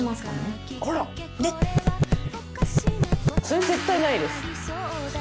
それ絶対ないです。